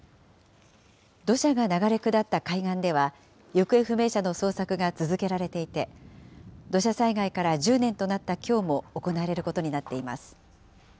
土砂が流れ下った海岸では行方不明者の捜索が続けられていて、土砂災害から１０年となったきょうも行われることになっています。